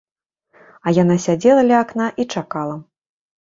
А яна сядзела ля акна і чакала.